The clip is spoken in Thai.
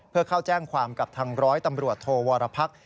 เพื่อเข้าแจ้งความกับทางร้อยตำรวจโทวรพักษ์